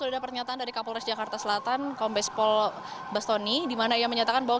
sudah ada pernyataan dari kapolres jakarta selatan kombes pol bastoni di mana ia menyatakan bahwa